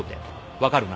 分かるな？